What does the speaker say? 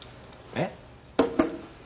えっ？